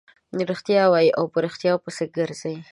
رښتیا وايي او په ريښتیاوو پسې ګرځي.